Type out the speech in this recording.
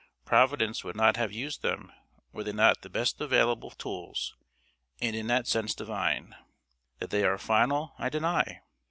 Providence would not have used them were they not the best available tools, and in that sense divine. That they are final I deny.